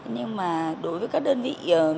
nhưng mà đối với các đơn vị